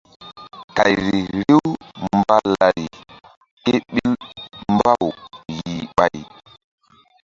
Kayri riw balari ké ɓil mbaw yih ɓay.